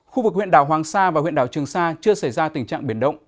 khu vực huyện đảo hoàng sa và huyện đảo trường sa chưa xảy ra tình trạng biển động